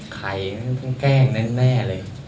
ใครมันต้องแกล้งแน่เลย